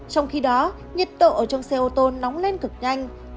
trong khi đó nhiệt độ ở trong xe ô tô nóng lên cực nhanh